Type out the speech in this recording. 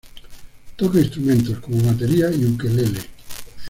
Toca instrumentos, como batería y ukelele.